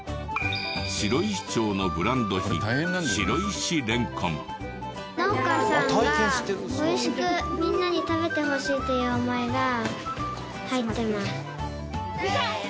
白石町のブランド品農家さんが美味しくみんなに食べてほしいという思いが入ってます。